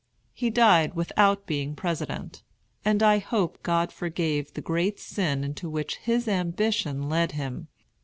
He died without being President; and I hope God forgave the great sin into which his ambition led him.